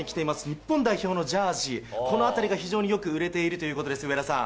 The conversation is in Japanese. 日本代表のジャージ、このあたりが非常によく売れているということです、上田さん。